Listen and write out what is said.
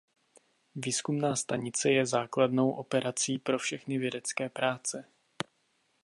Výzkumná stanice je základnou operací pro všechny vědecké práce.